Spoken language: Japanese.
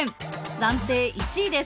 暫定１位です。